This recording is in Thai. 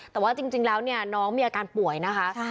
แต่ว่าจริงแล้วเนี่ยน้องมีอาการป่วยนะคะ